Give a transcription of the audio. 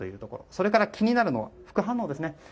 それから気になるのは副反応です。